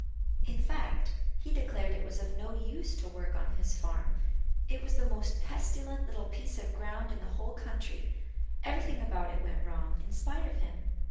In fact, he declared it was of no use to work on his farm; it was the most pestilent little piece of ground in the whole country; everything about it went wrong, in spite of him.